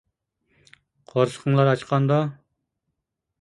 قورسىقىڭلار ئاچقاندۇ؟